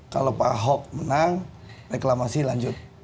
kalau pak ahok menang reklamasi lanjut